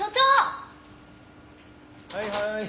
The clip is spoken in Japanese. はいはーい。